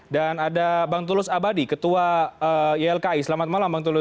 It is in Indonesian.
dan ada bang tulus abadi ketua ylki selamat malam bang tulus